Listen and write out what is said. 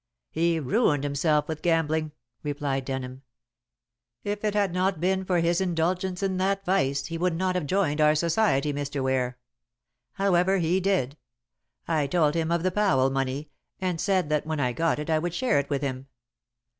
"He ruined himself with gambling," replied Denham. "If it had not been for his indulgence in that vice, he would not have joined our society, Mr. Ware. However, he did. I told him of the Powell money, and said that when I got it I would share it with him.